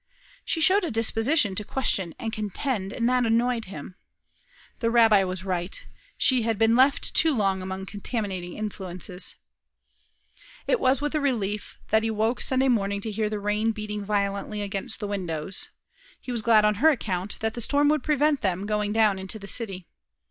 She showed a disposition to question and contend, that annoyed him. The rabbi was right. She had been left too long among contaminating influences. It was with a feeling of relief that he woke Sunday morning to hear the rain beating violently against the windows. He was glad on her account that the storm would prevent them going down into the city.